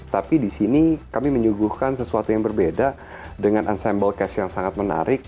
tapi di sini kami menyuguhkan sesuatu yang berbeda dengan ensemble cash yang sangat menarik